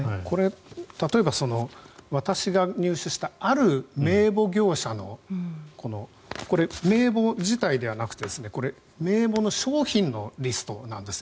例えばこれ、私が入手したある名簿業者のこれ、名簿自体ではなくて名簿の商品のリストなんですよ。